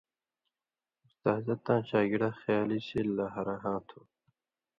استازہ تاں شاگڑہ خیالی سېل لا ہرہ ہاں تھو۔